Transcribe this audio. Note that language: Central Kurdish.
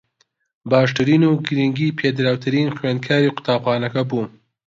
باشترین و گرنگی پێدراوترین خوێندکاری قوتابخانەکە بووم